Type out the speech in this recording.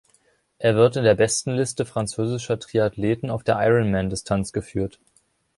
Er wird in der Bestenliste französischer Triathleten auf der Ironman-Distanz geführt.